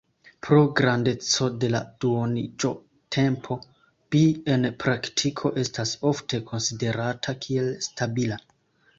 Pro grandeco de la duoniĝotempo, Bi en praktiko estas ofte konsiderata kiel stabila.